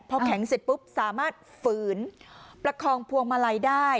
พอแข็งเสร็จปุ๊บสามารถฝืนประคองพวงมาลัยได้